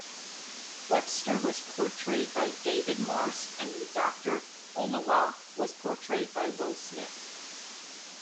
Webster was portrayed by David Morse and Doctor Omalu was portrayed by Will Smith.